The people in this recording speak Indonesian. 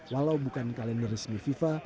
walau bukan kalender resmi fifa